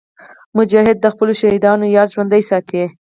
مجاهد د خپلو شهیدانو یاد ژوندي ساتي.